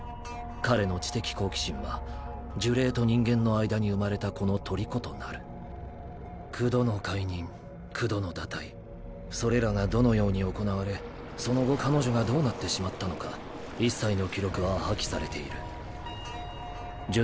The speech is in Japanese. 彼の知的好奇心は呪霊と人間の間に産まれた子の虜となる九度の懐妊九度の堕胎それらがどのように行われその後彼女がどうなってしまったのか一切の記録は破棄されている呪